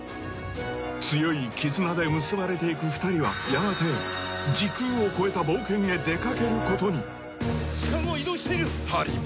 強い絆で結ばれていく２人はやがて時空を超えた冒険へ出かけることに時間を移動している！